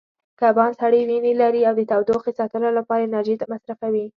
کبان سړې وینې لري او د تودوخې ساتلو لپاره انرژي نه مصرفوي.